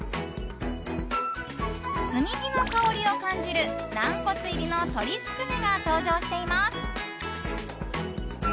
炭火の香りを感じる軟骨入りの鶏つくねが登場しています。